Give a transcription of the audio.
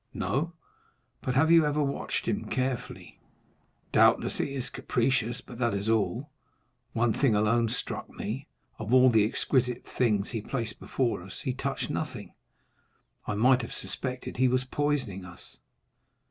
"No." "But have you ever watched him carefully?" "Doubtless he is capricious, but that is all; one thing alone struck me,—of all the exquisite things he placed before us, he touched nothing. I might have suspected he was poisoning us."